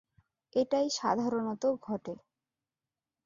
এটাই সাধারণত ঘটে।